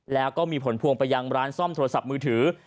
แล้วก็มีผลพวงไปยังร้านซ่อมโทรศัพท์มือถือ